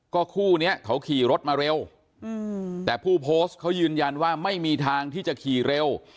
คู่นี้เขาขี่รถมาเร็วแต่ผู้โพสต์เขายืนยันว่าไม่มีทางที่จะขี่เร็ว